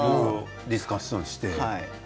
ディスカッションして？